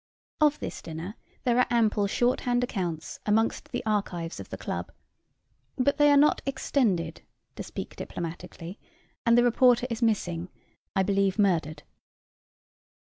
Of this dinner there are ample short hand notes amongst the archives of the club. But they are not "extended," to speak diplomatically; and the reporter is missing I believe, murdered.